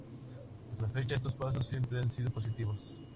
Hasta la fecha estos pasos siempre han sido positivos.